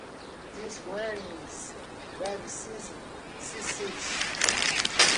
These airings have since ceased.